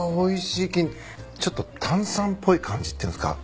ちょっと炭酸っぽい感じっていうんですか。